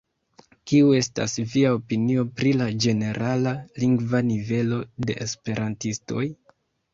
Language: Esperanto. Kiu estas via opinio pri la ĝenerala lingva nivelo de esperantistoj?